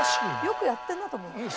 よくやってるなと思う。